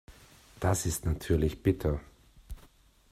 Das ist natürlich bitter.